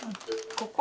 ここ？